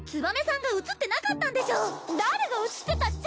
誰が映ってたっちゃ！？